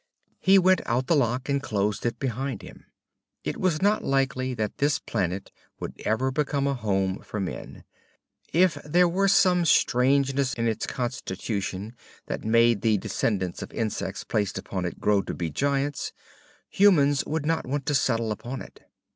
He went out the lock and closed it behind him. It was not likely that this planet would ever become a home for men. If there were some strangeness in its constitution that made the descendents of insects placed upon it grow to be giants, humans would not want to settle on it.